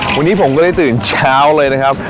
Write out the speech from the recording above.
วันนี้ผมก็ได้ตื่นเช้าเลยนะครับ